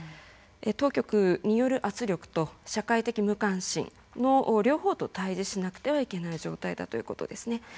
当局による圧力と社会的無関心の両方と対じしなければいけない状況だということですね。